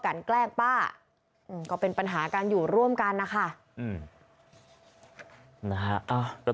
การแกล้งป้าก็เป็นปัญหาการอยู่ร่วมกันนะคะอืมนะฮะเอาก็